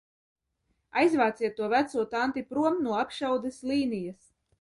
Aizvāciet to veco tanti prom no apšaudes līnijas!